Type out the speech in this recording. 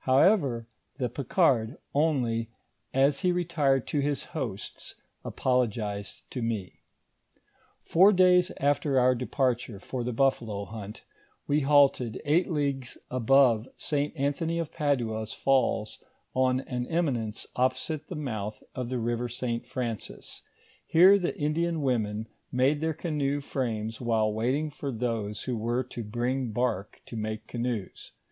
However, the Picard only, as he retired to his host's, apologised to me. Four days after our departure for the buffalo hunt, we halted eight leagues above St. Anthony of Padua's falls on an eminence opposite the mouth of the river St. Francis; here the Indian women made their canoe frames while wait ing for those who were to bring bark to make canoes.